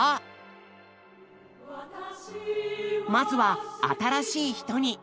まずは「『新しい人』に」。